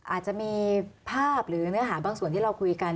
อาจจะมีภาพหรือเนื้อหาบางส่วนที่เราคุยกัน